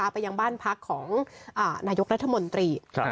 ไปยังบ้านพักของนายกรัฐมนตรี